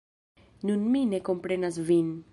Nun mi ne komprenas vin.